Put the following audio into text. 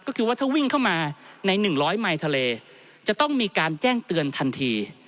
ก็คือว่าถ้าวิ่งเข้ามาใน๑๐๐ไมค์ทะเลจะต้องมีการแจ้งเตือนทันที